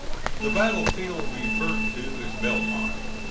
] [The battlefield referred to is Belmont.